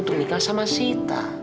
untuk nikah sama sita